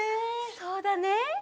そうだね。